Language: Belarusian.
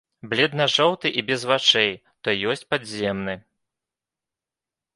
Бледна-жоўты і без вачэй, то ёсць падземны.